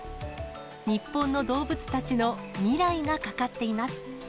日本の動物たちの未来がかかっています。